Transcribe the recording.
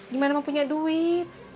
gimana mau punya duit